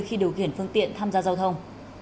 khi điều khiển phương tiện tham gia giao thông